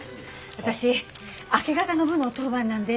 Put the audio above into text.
私明け方の部の当番なんで。